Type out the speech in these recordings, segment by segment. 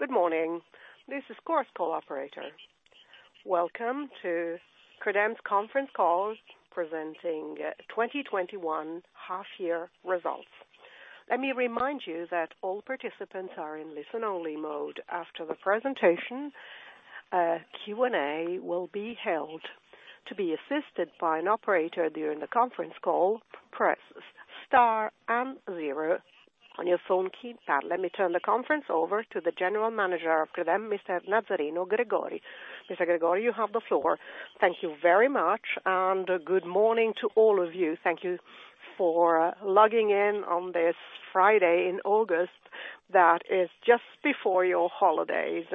Good morning. This is Chorus Call operator. Welcome to Credem's Conference Call Presenting 2021 Half Year Results. Let me remind you that all participants are in listen-only mode. After the presentation, a Q&A will be held. To be assisted by an operator during the conference call, press star and zero on your phone keypad. Let me turn the conference over to the General Manager of Credem, Mr. Nazzareno Gregori. Mr. Gregori, you have the floor. Thank you very much, and good morning to all of you. Thank you for logging in on this Friday in August that is just before your holidays.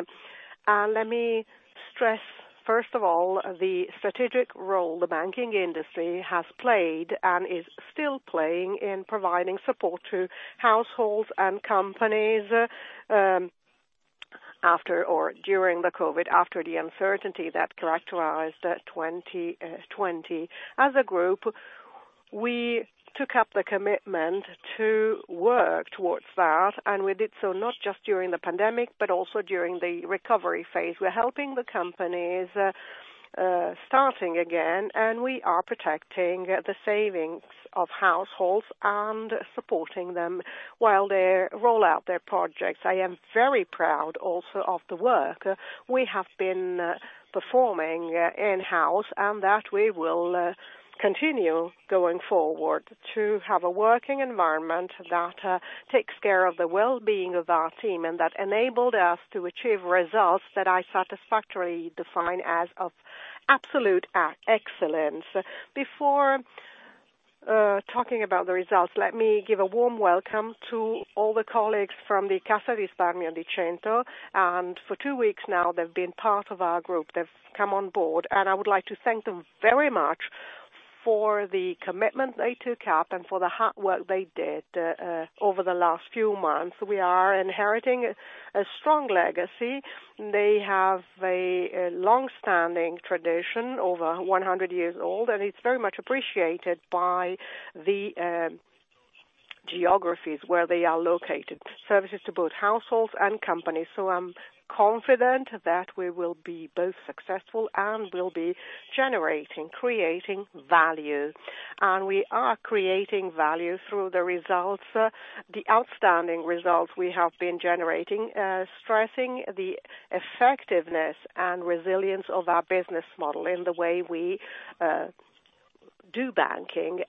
Let me stress, first of all, the strategic role the banking industry has played and is still playing in providing support to households and companies, after or during the COVID, after the uncertainty that characterized 2020. As a group, we took up the commitment to work towards that, and we did so not just during the pandemic, but also during the recovery phase. We're helping the companies starting again, and we are protecting the savings of households and supporting them while they roll out their projects. I am very proud also of the work we have been performing in-house, and that we will continue going forward to have a working environment that takes care of the well-being of our team, and that enabled us to achieve results that I satisfactorily define as of absolute excellence. Before talking about the results, let me give a warm welcome to all the colleagues from the Cassa di Risparmio di Cento. For two weeks now, they've been part of our group. They've come on board, I would like to thank them very much for the commitment they took up and for the hard work they did over the last few months. We are inheriting a strong legacy. They have a long-standing tradition, over 100 years old, it's very much appreciated by the geographies where they are located, services to both households and companies. I'm confident that we will be both successful and will be creating value. We are creating value through the results, the outstanding results we have been generating, stressing the effectiveness and resilience of our business model in the way we do banking.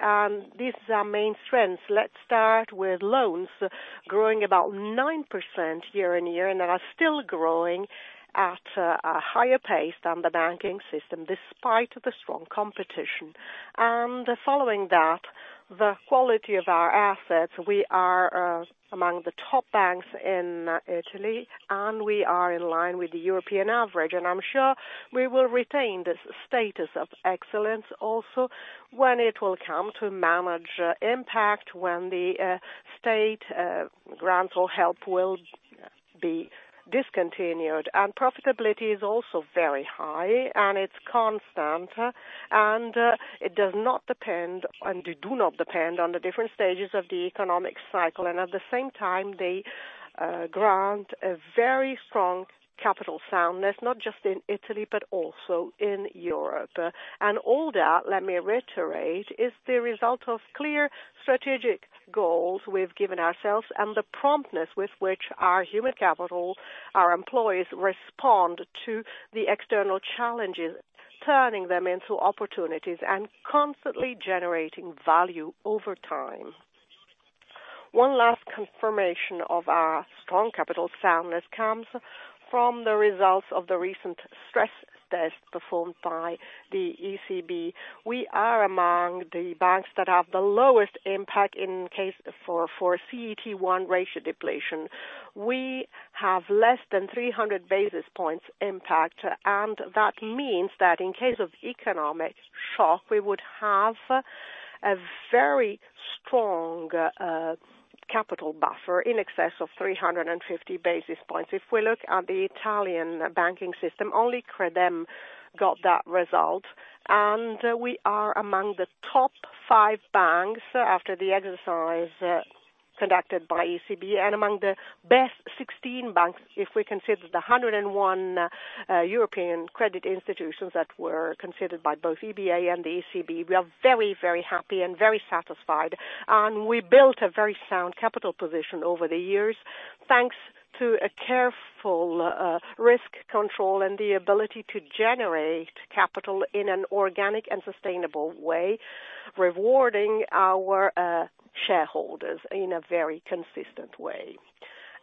These are our main strengths. Let's start with loans growing about 9% year-on-year, are still growing at a higher pace than the banking system, despite the strong competition. Following that, the quality of our assets, we are among the top banks in Italy, and we are in line with the European average. I'm sure we will retain this status of excellence also when it will come to manage impact when the state grants or help will be discontinued. Profitability is also very high, and it's constant, and they do not depend on the different stages of the economic cycle, and at the same time, they grant a very strong capital soundness, not just in Italy, but also in Europe. All that, let me reiterate, is the result of clear strategic goals we've given ourselves and the promptness with which our human capital, our employees, respond to the external challenges, turning them into opportunities and constantly generating value over time. One last confirmation of our strong capital soundness comes from the results of the recent stress test performed by the ECB. We are among the banks that have the lowest impact for CET1 ratio depletion. We have less than 300 basis points impact. That means that in case of economic shock, we would have a very strong capital buffer in excess of 350 basis points. If we look at the Italian banking system, only Credem got that result. We are among the top five banks after the exercise conducted by ECB. Among the best 16 banks if we consider the 101 European credit institutions that were considered by both EBA and the ECB. We are very, very happy and very satisfied, and we built a very sound capital position over the years, thanks to a careful risk control and the ability to generate capital in an organic and sustainable way, rewarding our shareholders in a very consistent way.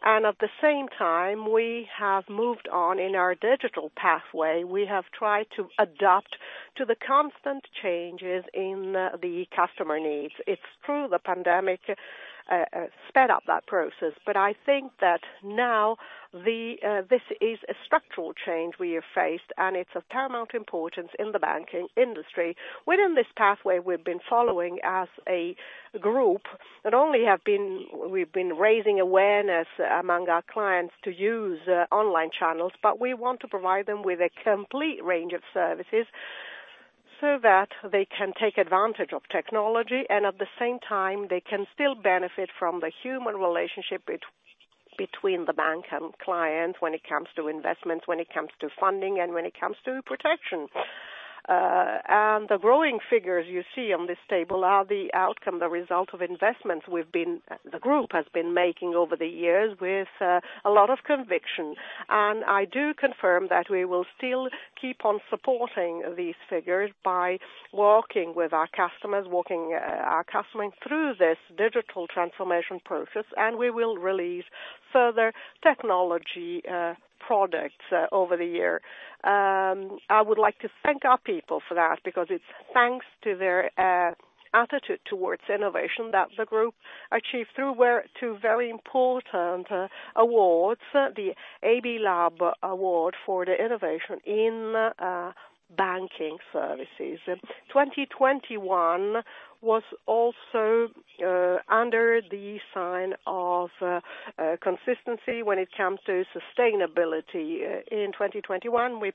At the same time, we have moved on in our digital pathway. We have tried to adapt to the constant changes in the customer needs. It's true the pandemic sped up that process, but I think that now this is a structural change we have faced, and it's of paramount importance in the banking industry. Within this pathway we've been following as a group, not only we've been raising awareness among our clients to use online channels, but we want to provide them with a complete range of services. So that they can take advantage of technology, and at the same time, they can still benefit from the human relationship between the bank and client when it comes to investments, when it comes to funding, and when it comes to protection. The growing figures you see on this table are the outcome, the result of investments the group has been making over the years with a lot of conviction. I do confirm that we will still keep on supporting these figures by walking our customers through this digital transformation process, and we will release further technology products over the year. I would like to thank our people for that, because it's thanks to their attitude towards innovation that the group achieved two very important awards, the ABI Lab award for the innovation in banking services. 2021 was also under the sign of consistency when it comes to sustainability. In 2021, we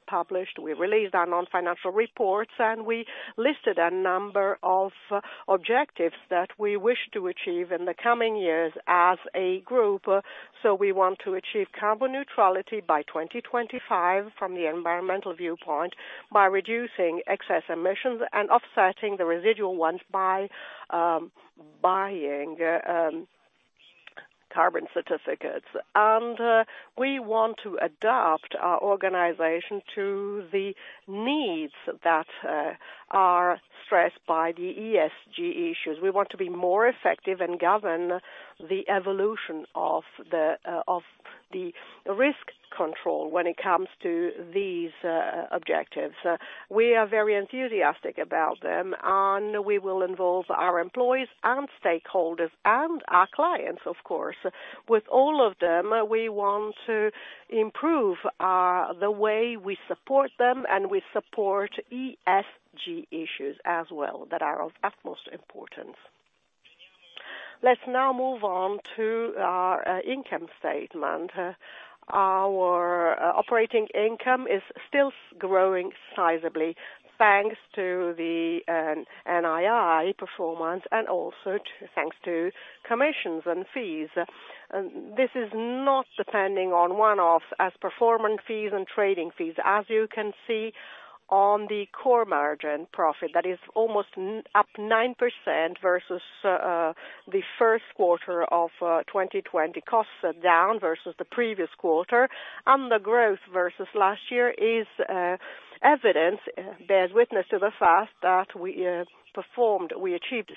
released our non-financial reports, and we listed a number of objectives that we wish to achieve in the coming years as a group. We want to achieve carbon neutrality by 2025 from the environmental viewpoint by reducing excess emissions and offsetting the residual ones by buying carbon certificates. We want to adapt our organization to the needs that are stressed by the ESG issues. We want to be more effective and govern the evolution of the risk control when it comes to these objectives. We are very enthusiastic about them, we will involve our employees and stakeholders and our clients, of course. With all of them, we want to improve the way we support them, and we support ESG issues as well, that are of utmost importance. Let's now move on to our income statement. Our operating income is still growing sizably, thanks to the NII performance and also thanks to commissions and fees. This is not depending on one-off as performance fees and trading fees. As you can see on the core margin profit, that is almost up 9% versus the first quarter of 2020. Costs are down versus the previous quarter. The growth versus last year bears witness to the fact that we achieved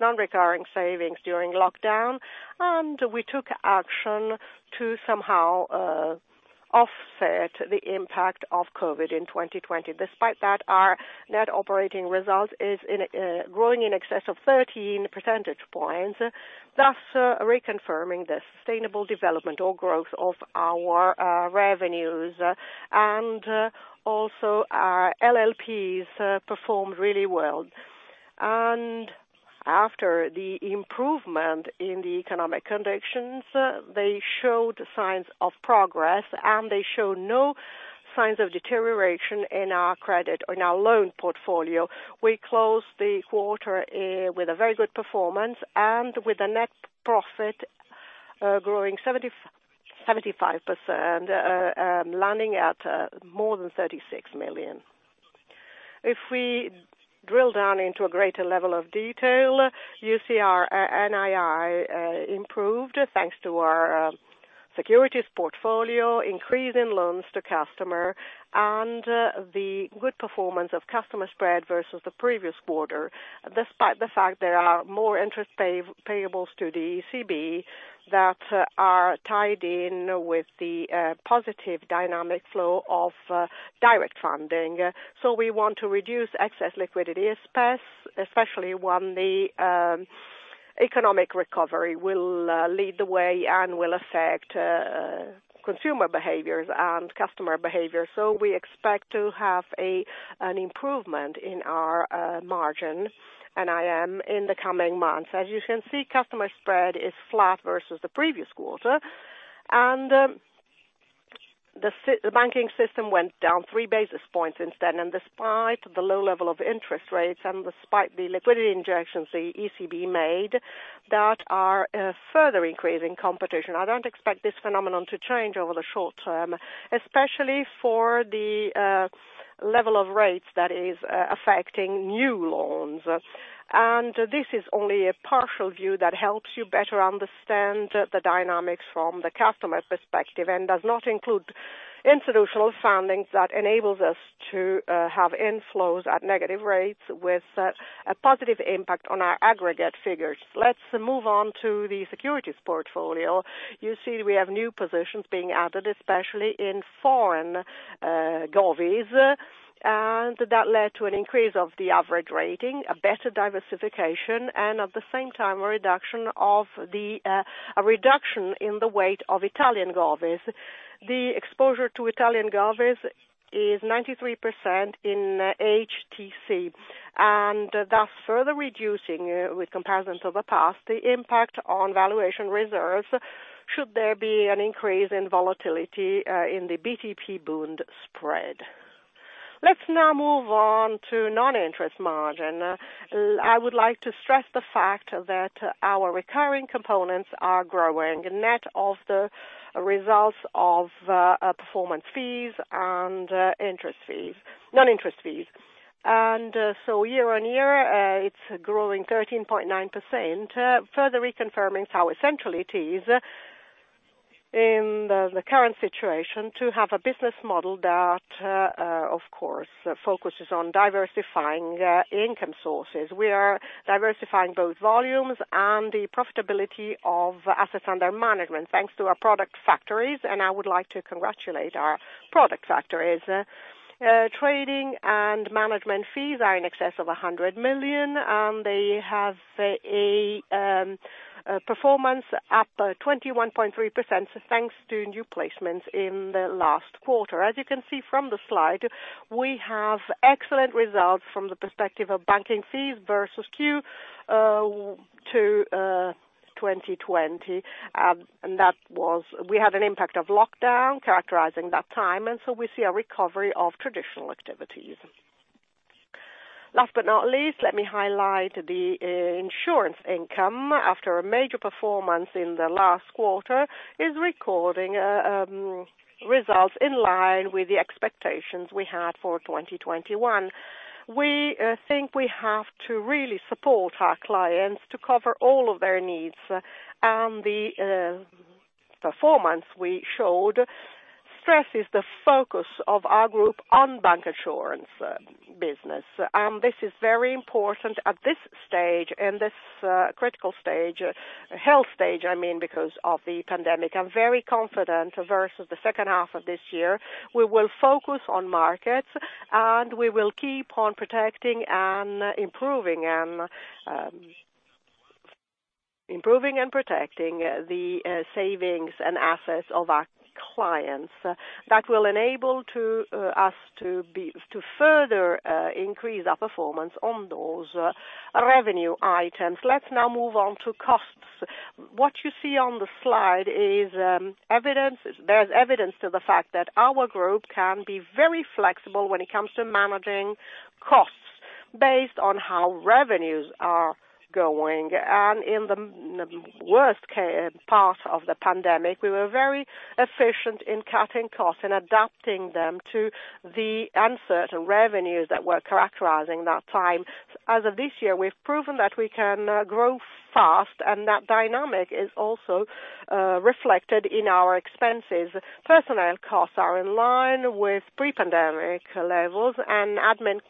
non-recurring savings during lockdown, and we took action to somehow offset the impact of COVID in 2020. Despite that, our net operating result is growing in excess of 13 percentage points, thus reconfirming the sustainable development or growth of our revenues. Also our LLPs performed really well. After the improvement in the economic conditions, they showed signs of progress, and they show no signs of deterioration in our credit or in our loan portfolio. We closed the quarter with a very good performance and with a net profit growing 75%, landing at more than 36 million. If we drill down into a greater level of detail, you see our NII improved, thanks to our securities portfolio, increase in loans to customer, and the good performance of customer spread versus the previous quarter, despite the fact there are more interest payables to the ECB that are tied in with the positive dynamic flow of direct funding. We want to reduce excess liquidity, especially when the economic recovery will lead the way and will affect consumer behaviors and customer behavior. We expect to have an improvement in our margin, NIM, in the coming months. As you can see, customer spread is flat versus the previous quarter, and the banking system went down three basis points instead. Despite the low level of interest rates and despite the liquidity injections the ECB made that are further increasing competition, I don't expect this phenomenon to change over the short term, especially for the level of rates that is affecting new loans. This is only a partial view that helps you better understand the dynamics from the customer perspective and does not include institutional fundings that enables us to have inflows at negative rates with a positive impact on our aggregate figures. Let's move on to the securities portfolio. You see we have new positions being added, especially in foreign govies, and that led to an increase of the average rating, a better diversification, and at the same time, a reduction in the weight of Italian govies. The exposure to Italian govies is 93% in HTC. Thus further reducing with comparison to the past, the impact on valuation reserves should there be an increase in volatility in the BTP Bund spread. Let's now move on to non-interest margin. I would like to stress the fact that our recurring components are growing, net of the results of performance fees and non-interest fees. So year-on-year, it's growing 13.9%, further reconfirming how essential it is in the current situation to have a business model that, of course, focuses on diversifying income sources. We are diversifying both volumes and the profitability of assets under management, thanks to our product factories, and I would like to congratulate our product factories. Trading and management fees are in excess of 100 million, and they have a performance up 21.3%, thanks to new placements in the last quarter. As you can see from the slide, we have excellent results from the perspective of banking fees versus Q2 2020. We had an impact of lockdown characterizing that time, and so we see a recovery of traditional activities. Last but not least, let me highlight the insurance income, after a major performance in the last quarter, is recording results in line with the expectations we had for 2021. We think we have to really support our clients to cover all of their needs. The performance we showed stresses the focus of our group on bancassurance business. This is very important at this stage, in this critical stage, health stage, I mean, because of the pandemic. I'm very confident versus the second half of this year, we will focus on markets, and we will keep on improving and protecting the savings and assets of our clients. That will enable us to further increase our performance on those revenue items. Let's now move on to costs. What you see on the slide bears evidence to the fact that our group can be very flexible when it comes to managing costs based on how revenues are going. In the worst part of the pandemic, we were very efficient in cutting costs and adapting them to the uncertain revenues that were characterizing that time. As of this year, we've proven that we can grow fast, and that dynamic is also reflected in our expenses. Personnel costs are in line with pre-pandemic levels, and admin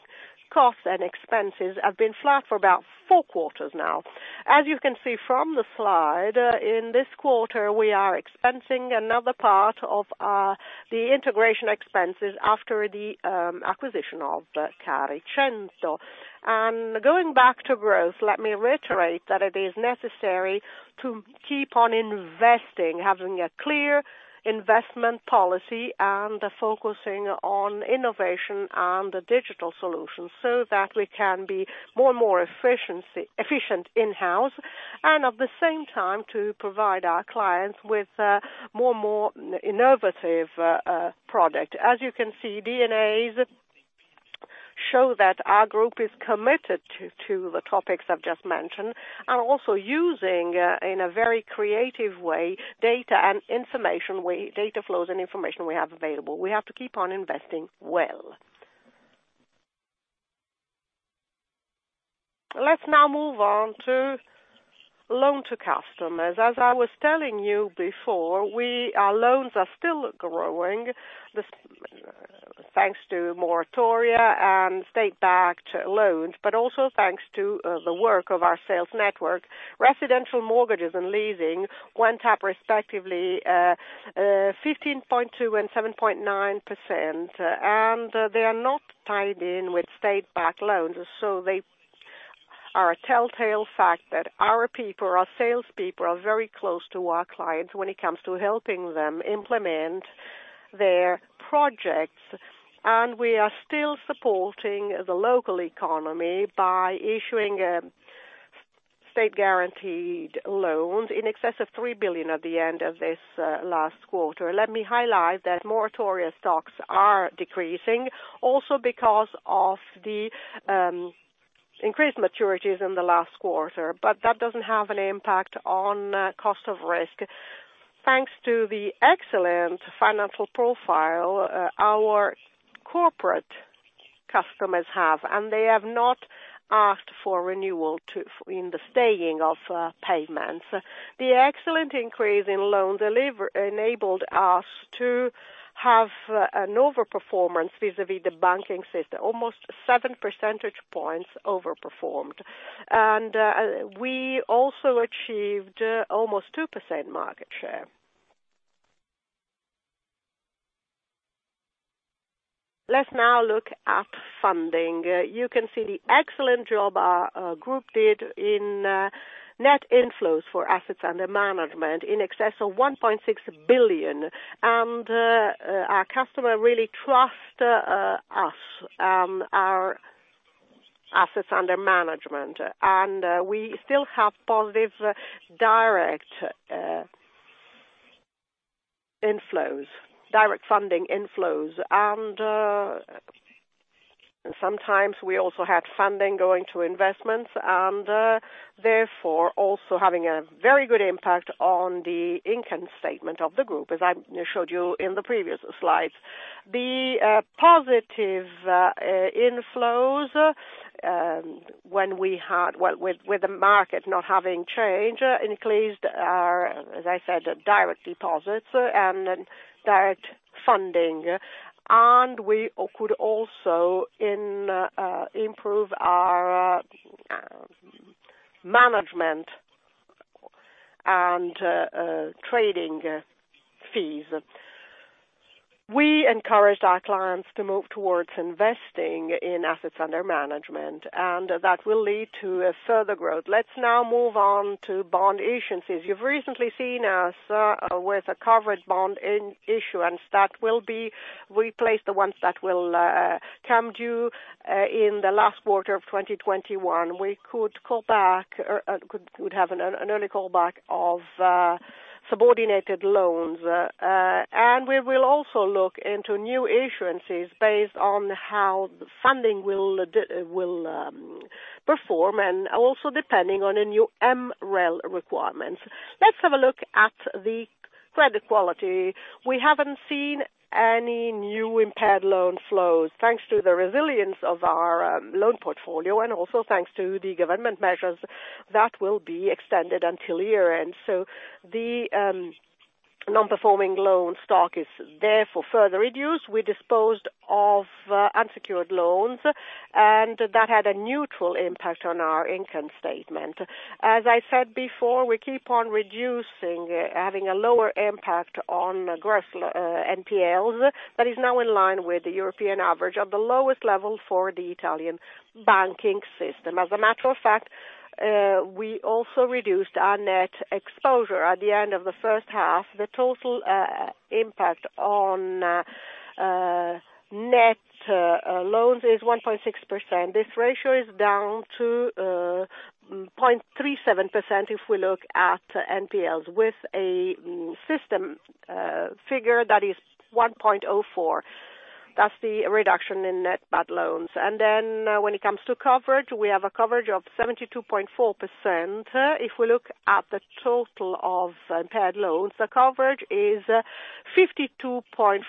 costs and expenses have been flat for about four quarters now. As you can see from the slide, in this quarter, we are expensing another part of the integration expenses after the acquisition of Caricento. Going back to growth, let me reiterate that it is necessary to keep on investing, having a clear investment policy, and focusing on innovation and digital solutions, so that we can be more and more efficient in-house, and at the same time to provide our clients with more innovative product. As you can see, D&As show that our group is committed to the topics I've just mentioned, and also using, in a very creative way, data flows and information we have available. We have to keep on investing well. Let's now move on to loan to customers. As I was telling you before, our loans are still growing, thanks to moratoria and state-backed loans, but also thanks to the work of our sales network. Residential mortgages and leasing went up respectively 15.2% and 7.9%. They are not tied in with state-backed loans. They are a telltale fact that our salespeople are very close to our clients when it comes to helping them implement their projects. We are still supporting the local economy by issuing state-guaranteed loans in excess of 3 billion at the end of this last quarter. Let me highlight that moratoria stocks are decreasing, also because of the increased maturities in the last quarter. That doesn't have an impact on cost of risk, thanks to the excellent financial profile our corporate customers have, and they have not asked for renewal in the staying of payments. The excellent increase in loan delivery enabled us to have an over-performance vis-à-vis the banking system, almost seven percentage points over-performed. We also achieved almost 2% market share. Let's now look at funding. You can see the excellent job our group did in net inflows for assets under management, in excess of 1.6 billion. Our customer really trust us. Our assets under management. We still have positive direct inflows, direct funding inflows. Sometimes we also had funding going to investments, and therefore also having a very good impact on the income statement of the group, as I showed you in the previous slides. The positive inflows, with the market not having changed, increased our, as I said, direct deposits and then direct funding. We could also improve our management and trading fees. We encouraged our clients to move towards investing in assets under management, and that will lead to a further growth. Let's now move on to bond issuances. You've recently seen us with a covered bond issuance that will be replaced, the ones that will come due in the last quarter of 2021. We could have an early callback of subordinated loans. We will also look into new issuances based on how the funding will perform, and also depending on the new MREL requirements. Let's have a look at the credit quality. We haven't seen any new impaired loan flows, thanks to the resilience of our loan portfolio, and also thanks to the government measures that will be extended until year-end. The non-performing loan stock is therefore further reduced. We disposed of unsecured loans, and that had a neutral impact on our income statement. As I said before, we keep on reducing, having a lower impact on gross NPLs. That is now in line with the European average, at the lowest level for the Italian banking system. As a matter of fact, we also reduced our net exposure at the end of the first half. The total impact on net loans is 1.6%. This ratio is down to 0.37%, if we look at NPLs, with a system figure that is 1.04%. That's the reduction in net bad loans. When it comes to coverage, we have a coverage of 72.4%. If we look at the total of impaired loans, the coverage is 52.4%.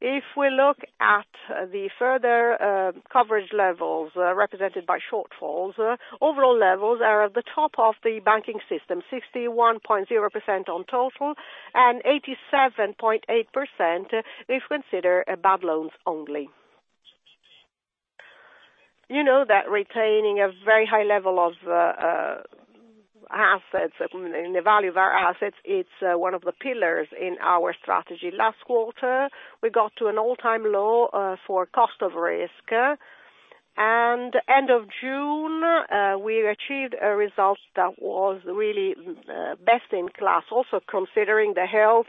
If we look at the further coverage levels represented by shortfalls, overall levels are at the top of the banking system, 61.0% on total and 87.8% if we consider bad loans only. You know that retaining a very high level in the value of our assets, it's one of the pillars in our strategy. Last quarter, we got to an all-time low for cost of risk. End of June, we achieved a result that was really best in class, also considering the health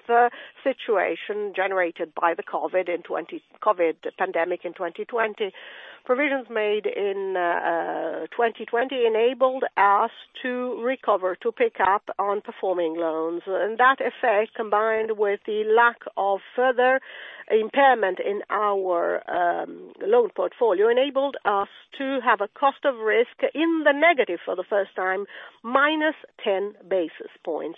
situation generated by the COVID pandemic in 2020. Provisions made in 2020 enabled us to recover, to pick up on performing loans. That effect, combined with the lack of further impairment in our loan portfolio, enabled us to have a cost of risk in the negative for the first time, -10 basis points.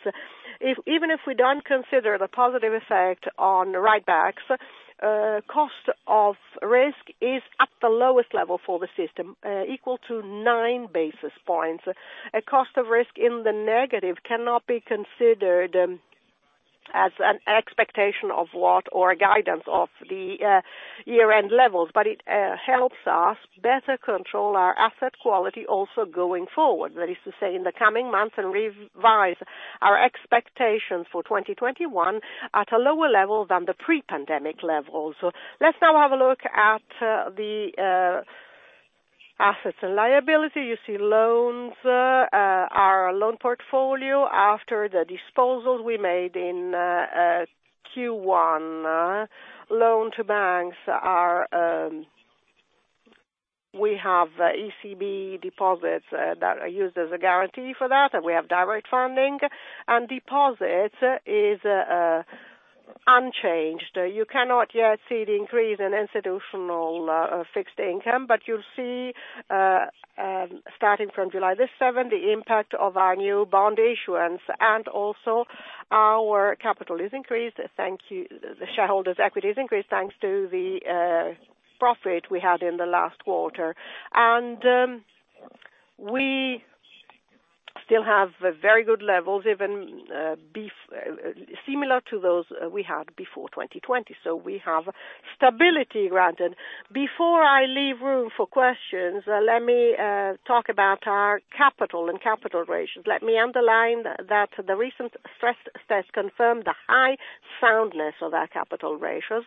Even if we don't consider the positive effect on the write-backs, cost of risk is at the lowest level for the system, equal to nine basis points. A cost of risk in the negative cannot be considered as an expectation of what, or a guidance of the year-end levels, but it helps us better control our asset quality also going forward. That is to say, in the coming months, and revise our expectations for 2021 at a lower level than the pre-pandemic levels. Let's now have a look at the assets and liability. You see loans, our loan portfolio, after the disposals we made in Q1. Loan to banks, we have ECB deposits that are used as a guarantee for that, and we have direct funding, and deposits is unchanged. You cannot yet see the increase in institutional fixed income, but you'll see, starting from July 7th, the impact of our new bond issuance, and also our capital is increased. The shareholders' equity is increased thanks to the profit we had in the last quarter. We still have very good levels, even similar to those we had before 2020. We have stability granted. Before I leave room for questions, let me talk about our capital and capital ratios. Let me underline that the recent stress tests confirmed the high soundness of our capital ratios.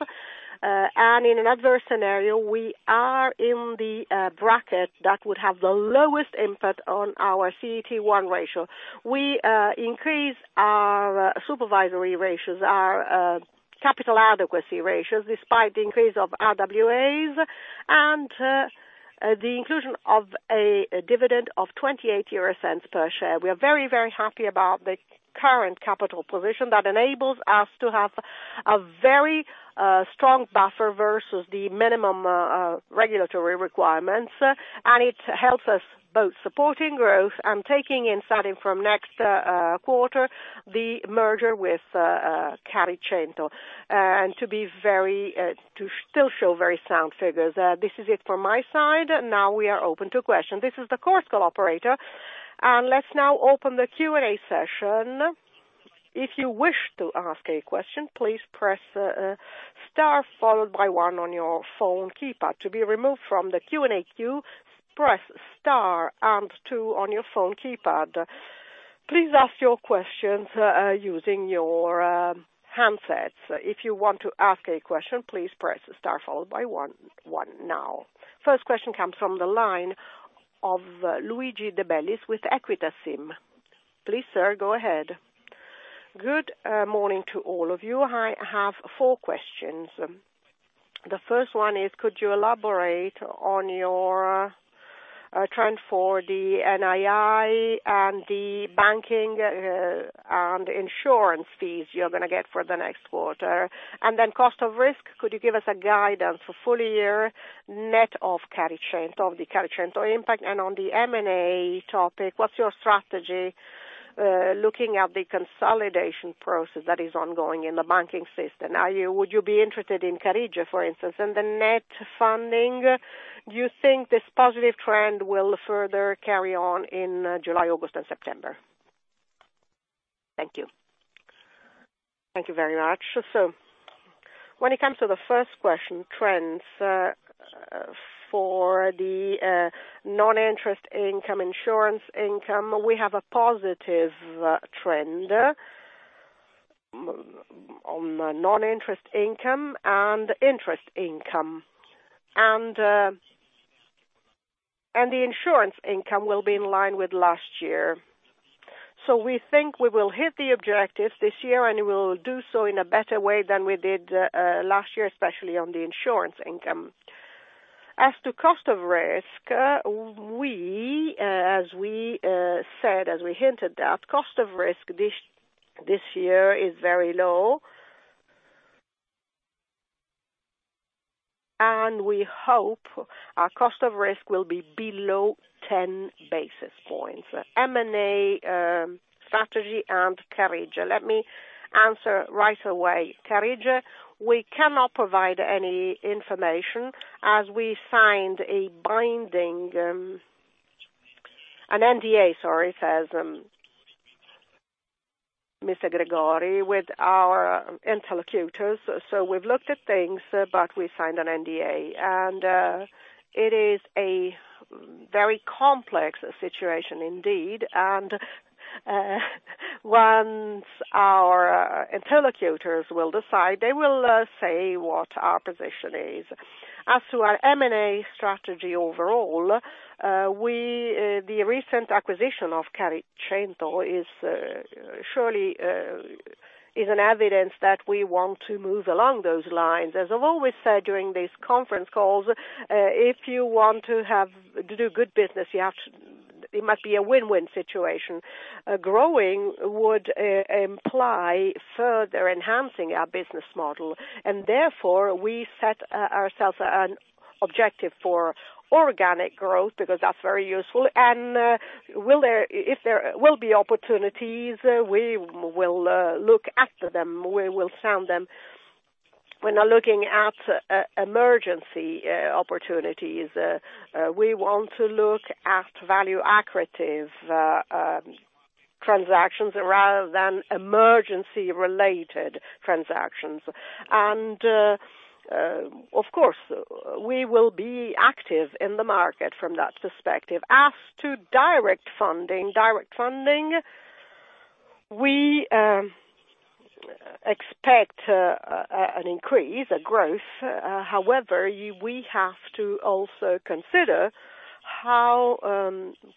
In an adverse scenario, we are in the bracket that would have the lowest impact on our CET1 ratio. We increased our supervisory ratios, our capital adequacy ratios, despite the increase of RWAs. The inclusion of a dividend of 0.28 per share. We are very happy about the current capital position that enables us to have a very strong buffer versus the minimum regulatory requirements. It helps us both supporting growth and taking in, starting from next quarter, the merger with Caricento. To still show very sound figures. This is it from my side. Now we are open to questions. This is the Chorus Call operator, and let's now open the Q&A session. First question comes from the line of Luigi De Bellis with Equita SIM. Please, sir, go ahead. Good morning to all of you. I have four questions. The first one is could you elaborate on your trend for the NII, and the banking and insurance fees you're going to get for the next quarter? Then cost of risk, could you give us a guidance for full-year net of the Caricento impact? On the M&A topic, what's your strategy, looking at the consolidation process that is ongoing in the banking system? Would you be interested in Carige, for instance? The net funding, do you think this positive trend will further carry on in July, August, and September? Thank you. Thank you very much. When it comes to the first question, trends for the non-interest income insurance income, we have a positive trend on non-interest income and interest income. The insurance income will be in line with last year. We think we will hit the objectives this year, and we will do so in a better way than we did last year, especially on the insurance income. As to cost of risk, as we hinted at, cost of risk this year is very low. We hope our cost of risk will be below 10 basis points. M&A strategy and Carige. Let me answer right away. Carige, we cannot provide any information as we signed an NDA, sorry, says Mr. Gregori, with our interlocutors. We've looked at things, but we signed an NDA. It is a very complex situation indeed, and once our interlocutors will decide, they will say what our position is. As to our M&A strategy overall, the recent acquisition of Caricento surely is an evidence that we want to move along those lines. As I've always said during these conference calls, if you want to do good business, it must be a win-win situation. Growing would imply further enhancing our business model, and therefore we set ourselves an objective for organic growth because that's very useful. If there will be opportunities, we will look after them. We will sound them. We're not looking at emergency opportunities. We want to look at value accretive transactions rather than emergency related transactions. Of course, we will be active in the market from that perspective. As to direct funding, we expect an increase, a growth. However, we have to also consider how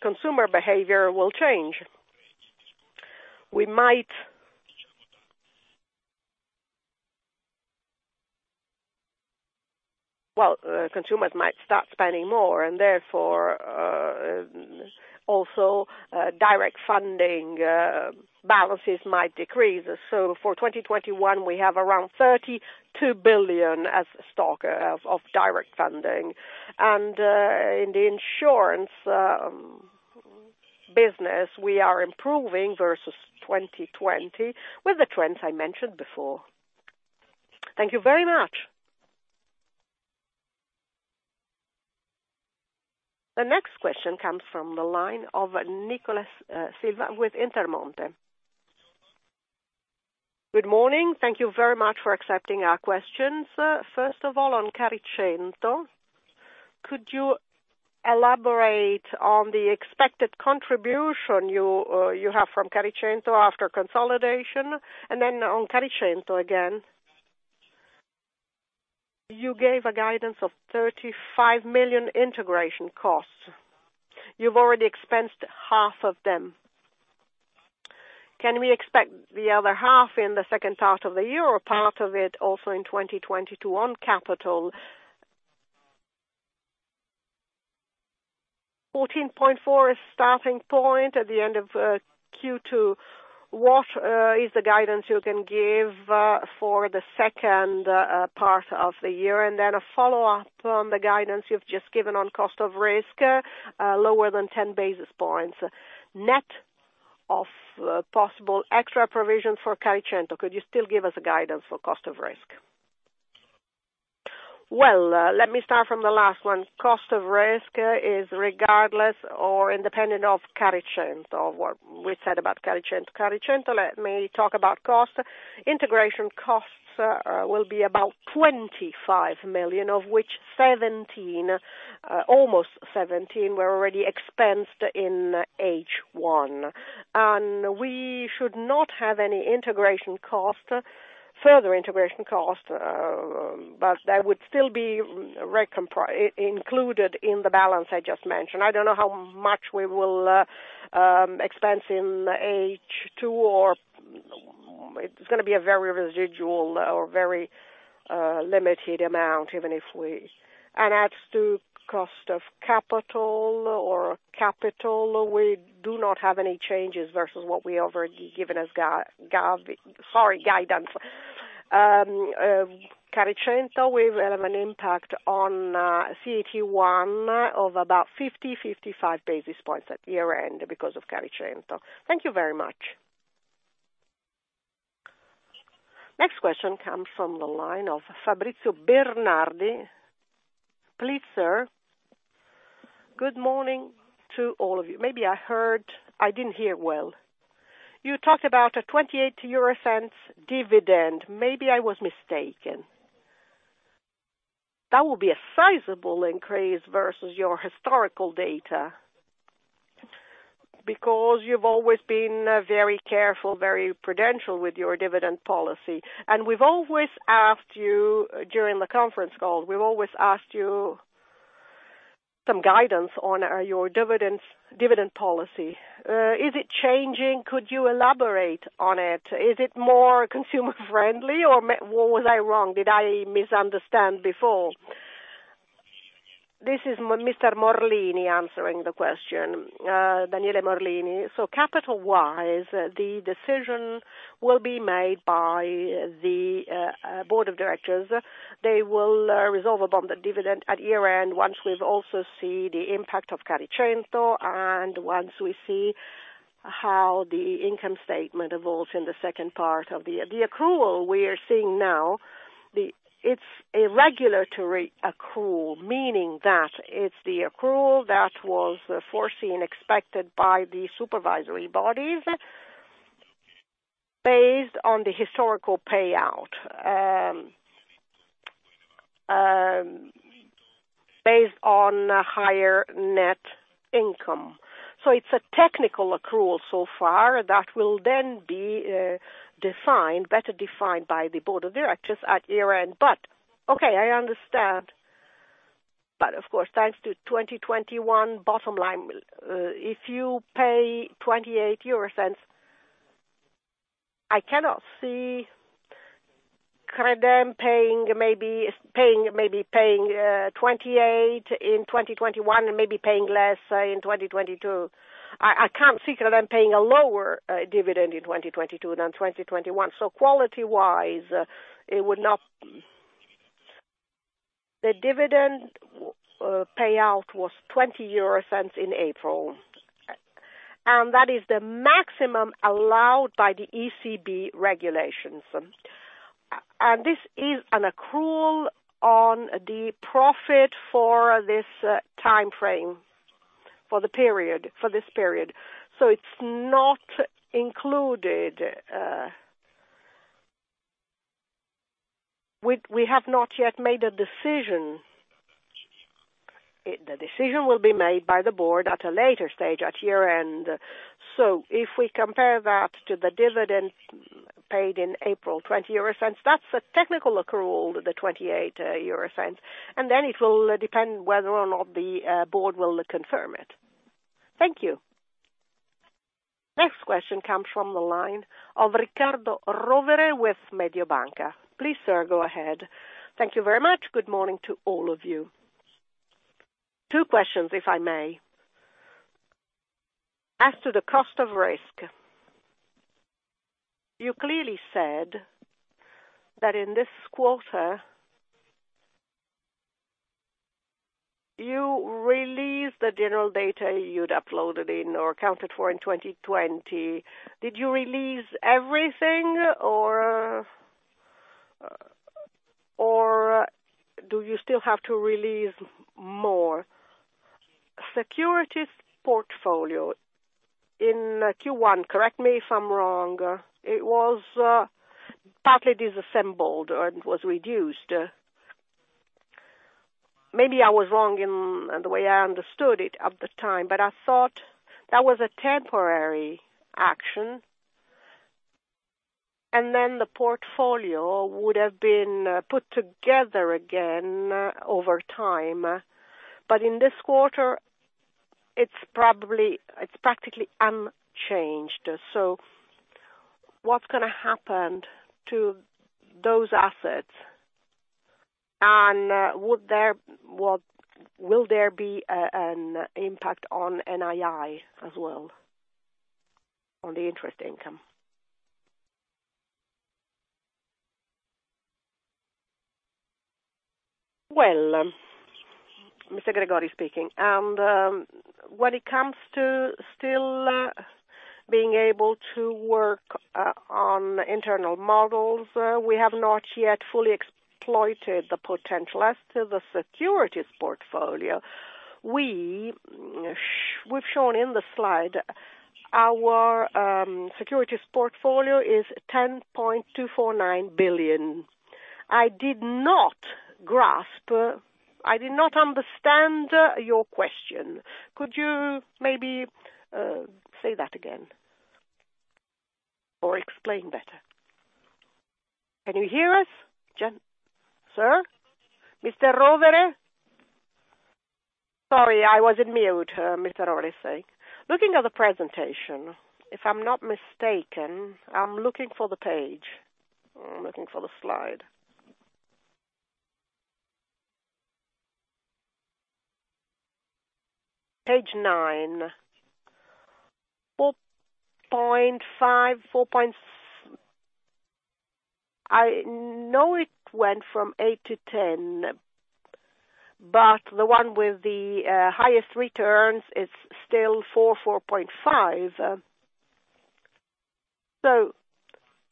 consumer behavior will change. Well, consumers might start spending more, and therefore, also direct funding balances might decrease. For 2021, we have around 32 billion as stock of direct funding. In the insurance business, we are improving versus 2020 with the trends I mentioned before. Thank you very much. The next question comes from the line of Nicholas Silva with Intermonte. Good morning. Thank you very much for accepting our questions. First of all, on Caricento, could you elaborate on the expected contribution you have from Caricento after consolidation? Then on Caricento again, you gave a guidance of 35 million integration costs. You've already expensed half of them. Can we expect the other half in the second part of the year or part of it also in 2022 on capital? 14.4% is starting point at the end of Q2. What is the guidance you can give for the second part of the year? A follow-up on the guidance you've just given on cost of risk, lower than 10 basis points. Net of possible extra provision for Caricento, could you still give us a guidance for cost of risk? Well, let me start from the last one. Cost of risk is regardless or independent of Caricento, of what we said about Caricento. Caricento, let me talk about cost. Integration costs will be about 25 million, of which almost 17 million were already expensed in H1. We should not have any further integration cost, but that would still be included in the balance I just mentioned. I don't know how much we will expense in H2, or it's going to be a very residual or very limited amount. As to cost of capital or capital, we do not have any changes versus what we already given as guidance. Caricento, we will have an impact on CET1 of about 50, 55 basis points at year-end because of Caricento. Thank you very much. Next question comes from the line of Fabrizio Bernardi. Please, sir. Good morning to all of you. Maybe I didn't hear well. You talked about a 0.28 dividend. Maybe I was mistaken. That would be a sizable increase versus your historical data. You've always been very careful, very prudential with your dividend policy. We've always asked you, during the conference call, we've always asked you some guidance on your dividend policy. Is it changing? Could you elaborate on it? Is it more consumer-friendly, or was I wrong? Did I misunderstand before? This is Mr. Morlini answering the question, Daniele Morlini. Capital-wise, the decision will be made by the board of directors. They will resolve upon the dividend at year-end, once we've also see the impact of Caricento, and once we see how the income statement evolves in the second part of the year. The accrual we are seeing now, it's a regulatory accrual, meaning that it's the accrual that was foreseen, expected by the supervisory bodies based on the historical payout, based on higher net income. It's a technical accrual so far that will then be better defined by the board of directors at year-end. Okay, I understand. Of course, thanks to 2021 bottom line, if you pay 0.28, I cannot see Credem maybe paying 0.28 in 2021 and maybe paying less in 2022. I can't see Credem paying a lower dividend in 2022 than 2021. The dividend payout was 0.20 in April. That is the maximum allowed by the ECB regulations. This is an accrual on the profit for this timeframe, for this period. It's not included. We have not yet made a decision. The decision will be made by the board at a later stage, at year-end. If we compare that to the dividend paid in April, 0.20, that's a technical accrual, 0.28, and then it will depend whether or not the board will confirm it. Thank you. Next question comes from the line of Riccardo Rovere with Mediobanca. Please, sir, go ahead. Thank you very much. Good morning to all of you. Two questions, if I may. As to the cost of risk, you clearly said that in this quarter, you released the general data you'd uploaded in or accounted for in 2020. Did you release everything, or do you still have to release more? Securities portfolio. In Q1, correct me if I'm wrong, it was partly disassembled, and it was reduced. Maybe I was wrong in the way I understood it at the time, but I thought that was a temporary action. The portfolio would have been put together again over time. In this quarter it's practically unchanged. What's going to happen to those assets? Will there be an impact on NII as well, on the interest income? Well, Mr. Gregori speaking. When it comes to still being able to work on internal models, we have not yet fully exploited the potential as to the securities portfolio. We've shown in the slide our securities portfolio is 10.249 billion. I did not grasp, I did not understand your question. Could you maybe say that again, or explain better? Can you hear us, sir? Mr. Rovere? Sorry, I was on mute, Mr. Rovere is saying. Looking at the presentation, if I'm not mistaken, I'm looking for the page. I'm looking for the slide. Page nine, 4.5. I know it went from eight to 10, the one with the highest returns is still 4.5.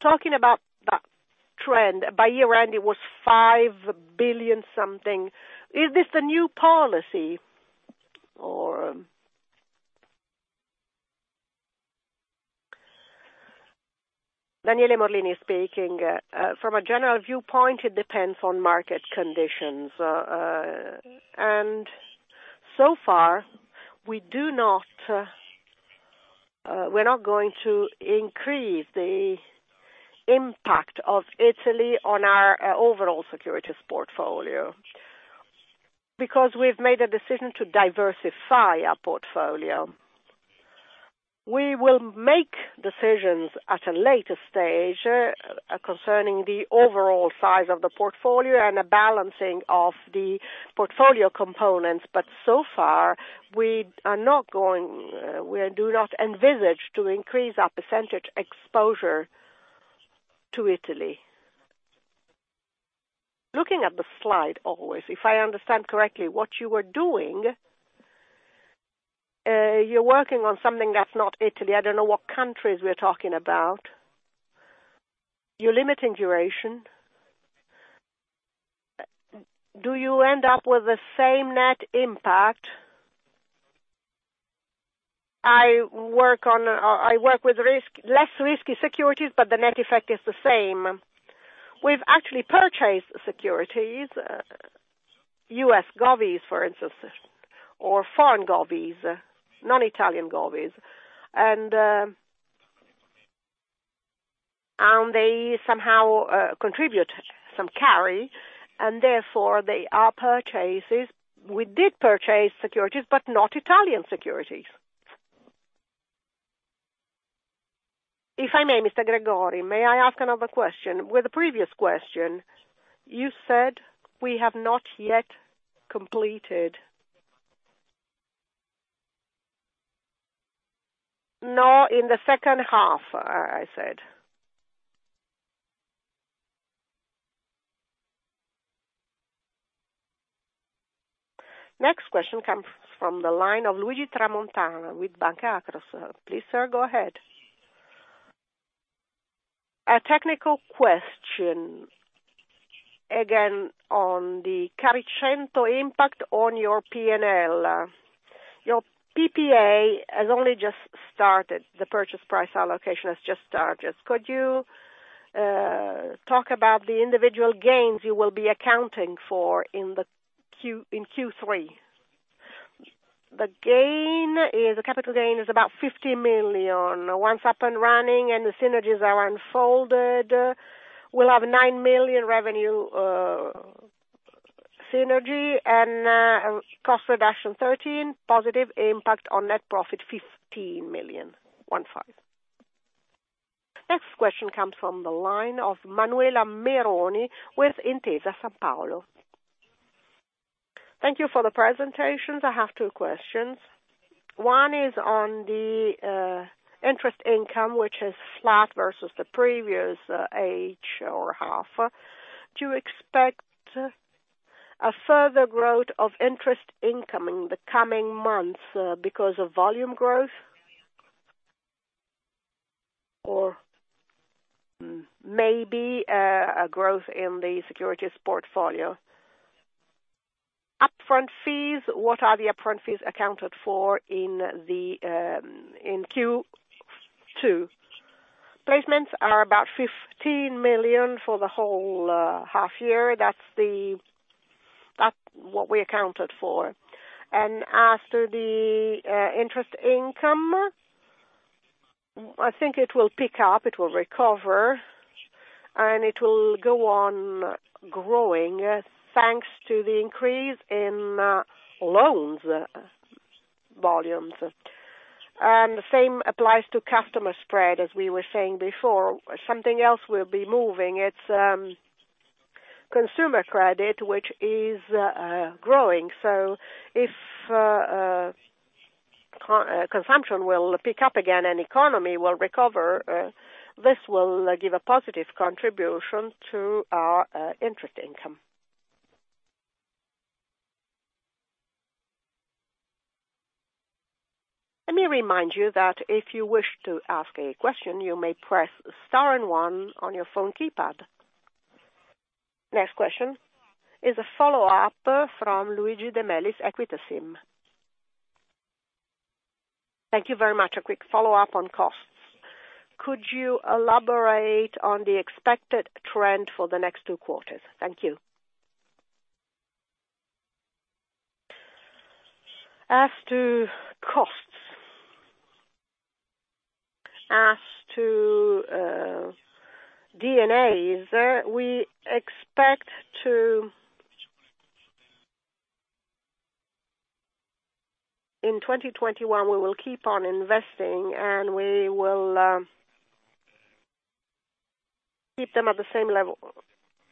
Talking about that trend, by year-end, it was 5 billion something. Is this the new policy? Daniele Morlini speaking. From a general viewpoint, it depends on market conditions. So far, we're not going to increase the impact of Italy on our overall securities portfolio, because we've made a decision to diversify our portfolio. We will make decisions at a later stage concerning the overall size of the portfolio and a balancing of the portfolio components, but so far, we do not envisage to increase our percentage exposure to Italy. Looking at the slide always, if I understand correctly what you were doing, you're working on something that's not Italy. I don't know what countries we're talking about. You're limiting duration. Do you end up with the same net impact? I work with less risky securities, but the net effect is the same. We've actually purchased securities, U.S. govies, for instance, or foreign govies, non-Italian govies. They somehow contribute some carry, and therefore, they are purchases. We did purchase securities, but not Italian securities. If I may, Mr. Gregori, may I ask another question? With the previous question, you said we have not yet completed. No, in the second half, I said. Next question comes from the line of Luigi Tramontana with Banca Akros. Please, sir, go ahead. A technical question, again, on the Caricento impact on your P&L. Your PPA has only just started, the purchase price allocation has just started. Could you talk about the individual gains you will be accounting for in Q3? The capital gain is about 50 million. Once up and running and the synergies are unfolded, we'll have 9 million revenue synergy, and cost reduction 13, positive impact on net profit 15 million. 15. Next question comes from the line of Manuela Meroni with Intesa Sanpaolo. Thank you for the presentation. I have two questions. One is on the interest income, which is flat versus the previous H1 2021. Do you expect a further growth of interest income in the coming months because of volume growth? Or maybe a growth in the securities portfolio. Upfront fees, what are the upfront fees accounted for in Q2? Placements are about 15 million for the whole half year. That's what we accounted for. As to the interest income, I think it will pick up, it will recover, and it will go on growing thanks to the increase in loans volumes. The same applies to customer spread, as we were saying before. Something else will be moving. It's consumer credit, which is growing. If consumption will pick up again and economy will recover, this will give a positive contribution to our interest income. Let me remind you that if you wish to ask a question, you may press star and one on your phone keypad. Next question is a follow-up from Luigi De Bellis, EQUITA SIM. Thank you very much. A quick follow-up on costs. Could you elaborate on the expected trend for the next two quarters? Thank you. As to costs, as to DNAs, in 2021, we will keep on investing. We will keep them at the same level.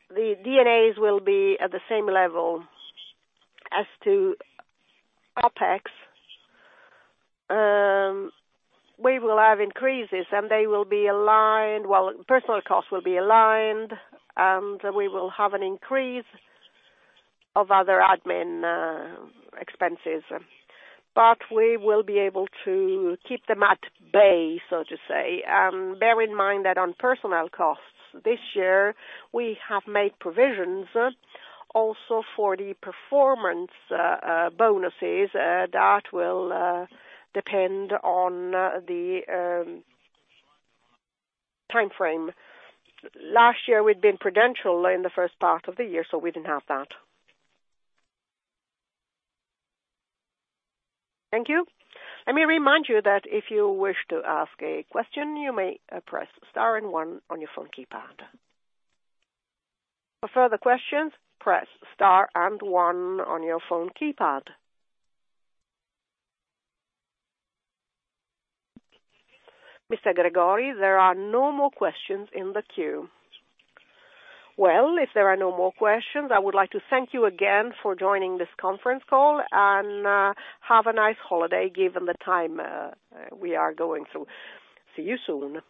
The DNAs will be at the same level as to OPEX. We will have increases. They will be aligned. Well, personal costs will be aligned. We will have an increase of other admin expenses. We will be able to keep them at bay, so to say. Bear in mind that on personnel costs this year, we have made provisions also for the performance bonuses that will depend on the timeframe. Last year, we'd been prudential in the first part of the year, so we didn't have that. Thank you. Let me remind you that if you wish to ask a question, you may press star and one on your phone keypad. For further questions, press star and one on your phone keypad. Mr. Gregori, there are no more questions in the queue. If there are no more questions, I would like to thank you again for joining this conference call and have a nice holiday, given the time we are going through. See you soon.